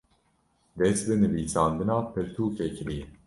dest bi nivîsandina pirtûkê kiriye